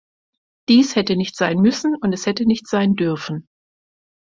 Dies hätte nicht sein müssen und es hätte nicht sein dürfen.